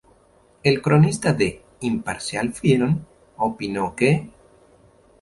El cronista de "Imparcial Film" opinó que